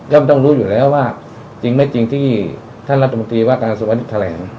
ต้องรู้อยู่แล้วว่าจริงไม่จริงที่ท่านรัฐมนตรีว่าการกระทรวงแถลง